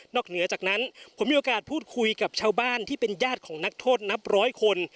เหนือจากนั้นผมมีโอกาสพูดคุยกับชาวบ้านที่เป็นญาติของนักโทษนับร้อยคน